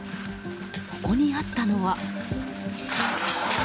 そこにあったのは。